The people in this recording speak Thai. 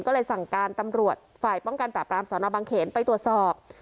ก็เลยสั่งการตำรวจฝ่ายป้องกันปราบรามสนบังเขนไปตรวจสอบ